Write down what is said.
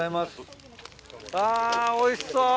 あぁおいしそう！